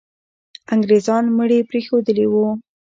انګریزان مړي پرېښودلي وو.